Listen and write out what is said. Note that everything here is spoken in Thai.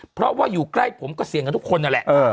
เพราะว่าอยู่ใกล้ผมก็เสี่ยงกับทุกคนนั่นแหละ